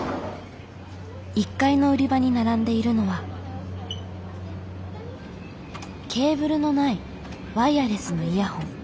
１階の売り場に並んでいるのはケーブルのないワイヤレスのイヤホン。